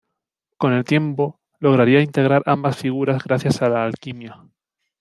Con el tiempo lograría integrar ambas figuras gracias a la alquimia.